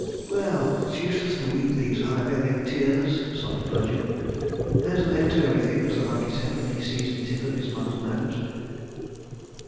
"Well—it's useless to weep these unavailing tears," sobbed Bludyer. "There's an end to everything, as the monkey said when he seized the tip of his mother's nose.